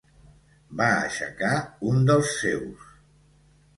Va aixecar un dels seus.